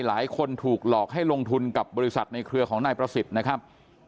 หลายคนถูกหลอกให้ลงทุนกับบริษัทในเครือของนายประสิทธิ์นะครับ